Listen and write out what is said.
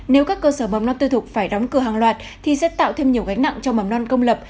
nếu các cơ sở mầm non tư thục phải đóng cửa hàng loạt thì sẽ tạo thêm nhiều gánh nặng cho mầm non công lập